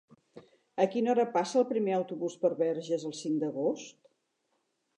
A quina hora passa el primer autobús per Verges el cinc d'agost?